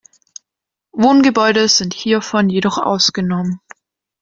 Wohngebäude sind hiervon jedoch ausgenommen.